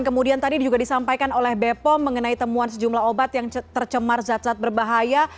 kemudian tadi juga disampaikan oleh bepom mengenai temuan sejumlah obat yang tercemar zat zat berbahaya